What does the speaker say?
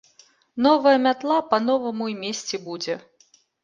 Новая мятла па-новаму і месці будзе.